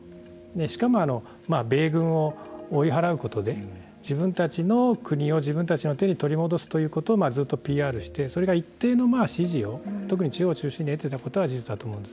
しかも米軍を追い払うことで自分たちの国を自分たちの手に取り戻すということをずっとＰＲしてそれが一定の支持を特に中央中心に得ていたことは事実だと思うんですね。